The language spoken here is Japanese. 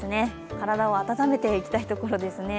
体を温めていきたいところですね。